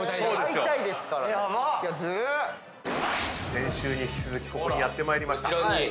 先週に引き続きここにやってまいりました。